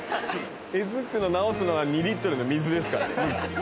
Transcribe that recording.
えずくの治すのは２リットルの水ですからね。